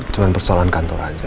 cuman persoalan kantor aja